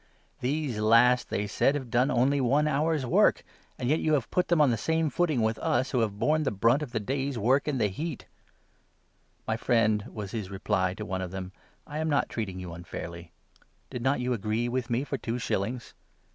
'These last,' they said, 'have done only one hour's work, 12 and yet you have put them on the same footing with us, who have borne the brunt of the day's work, and the heat.' ' My friend,' was his reply to one of them, ' I am not treat 13 ing you unfairly. Did not you agree with me for two shillings